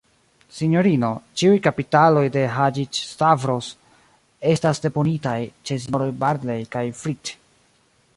Sinjorino, ĉiuj kapitaloj de Haĝi-Stavros estas deponitaj ĉe S-roj Barlei kaj Fritt.